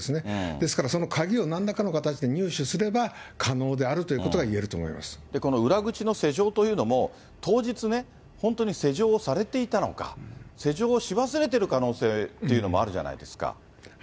ですから、その鍵をなんらかの形で入手すれば可能であるということが言えるこの裏口の施錠というのも、当日ね、本当に施錠をされていたのか、施錠し忘れている可能性というのもあるじゃないですか。